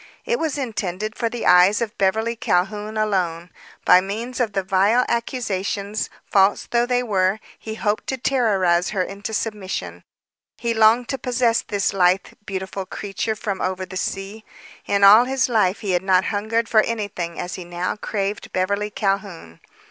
It was intended for the eyes of Beverly Calhoun alone. By means of the vile accusations, false though they were, he hoped to terrorize her into submission. He longed to possess this lithe, beautiful creature from over the sea. In all his life he had not hungered for anything as he now craved Beverly Calhoun.